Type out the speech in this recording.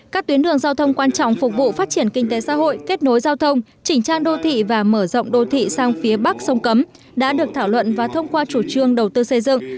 các tuyến đường giao thông quan trọng phục vụ phát triển kinh tế xã hội kết nối giao thông chỉnh trang đô thị và mở rộng đô thị sang phía bắc sông cấm đã được thảo luận và thông qua chủ trương đầu tư xây dựng